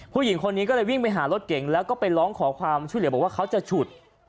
ผู้หญิงคนนี้ก็เลยวิ่งไปหารถเก่งแล้วก็ไปร้องขอความช่วยเหลือบอกว่าเขาจะฉุด